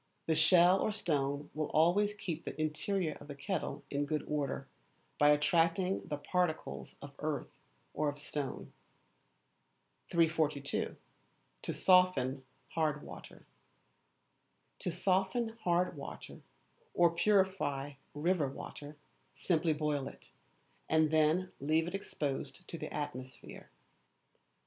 The shell or stone will always keep the interior of the kettle in good order, by attracting the particles of earth or of stone. 342. To Soften Hard Water. or purify river water, simply boil it, and then leave it exposed to the atmosphere.